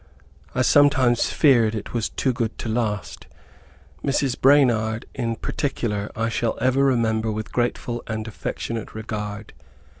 I sometimes feared it was too good to last. Mrs. Branard in particular, I shall ever remember with grateful and affectionate regard.